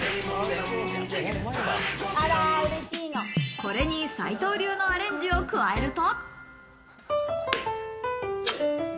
これに斉藤流のアレンジを加えると。